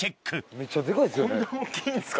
めっちゃデカいですよね。